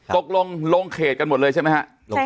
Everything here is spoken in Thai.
ลงลงเขตกันหมดเลยใช่ไหมฮะ